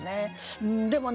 うんでもね